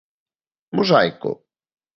¿Mosaico?